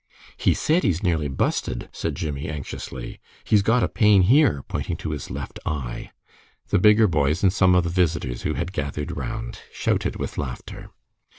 "He said he's nearly busted," said Jimmie, anxiously. "He's got a pain here," pointing to his left eye. The bigger boys and some of the visitors who had gathered round shouted with laughter.